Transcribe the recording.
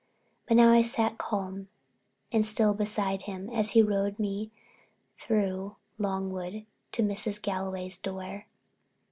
But now I sat calm and still beside him as he rode me through Longwood to Mrs. Galway's door.